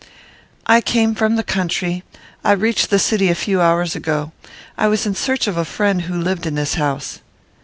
"I came from the country. I reached the city a few hours ago. I was in search of a friend who lived in this house."